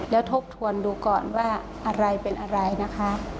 แล้วทบทวนดูก่อนว่าอะไรเป็นอะไรนะคะ